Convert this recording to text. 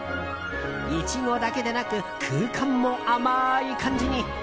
イチゴだけでなく空間も甘い感じに。